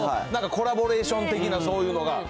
なんかコラボレーション的な、そういうのが。